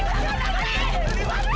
kamu diri apa